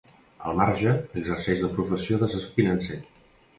Al marge, exerceix la professió d'assessor financer.